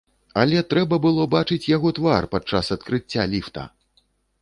Але трэба было бачыць яго твар падчас адкрыцця ліфта!